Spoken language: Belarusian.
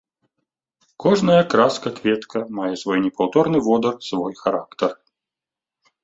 Кожная краска-кветка мае свой непаўторны водар, свой характар.